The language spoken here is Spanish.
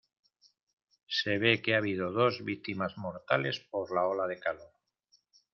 Se ve que ha habido dos víctimas mortales por la ola de calor.